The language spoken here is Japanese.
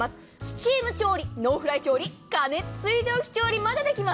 スチーム調理、ノンフライ調理、加熱調理もできます。